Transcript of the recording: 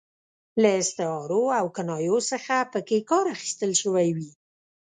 له استعارو او کنایو څخه پکې کار اخیستل شوی وي.